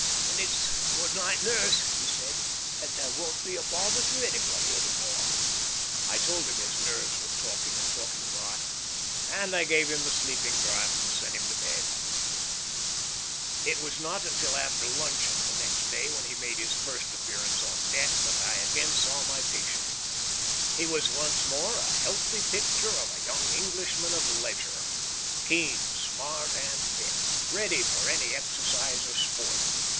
"Then it's 'Good night, nurse,'" he said. "And I won't be a bother to anybody any more." I told him his nerves were talking, and talking rot, and I gave him the sleeping draft and sent him to bed. It was not until after luncheon the next day when he made his first appearance on deck that I again saw my patient. He was once more a healthy picture of a young Englishman of leisure; keen, smart, and fit; ready for any exercise or sport.